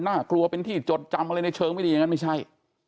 น่ากลัวเป็นที่จดจำอะไรในเชิงไม่ดีอย่างนั้นไม่ใช่